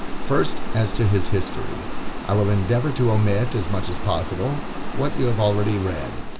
First, as to his history. I will endeavor to omit, as much as possible, what you have already read.